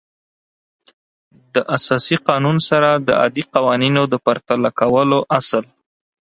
د اساسي قانون سره د عادي قوانینو د پرتله کولو اصل